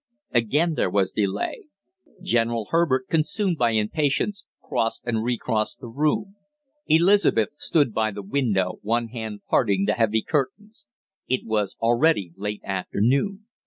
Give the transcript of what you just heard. Again there was delay. General Herbert, consumed by impatience, crossed and recrossed the room. Elizabeth stood by the window, one hand parting the heavy curtains. It was already late afternoon.